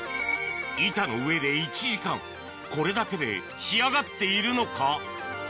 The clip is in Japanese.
板の上で１時間これだけで仕上がっているのか？